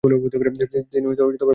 তিনি বিভিন্ন পুরস্কার জিতেছেন।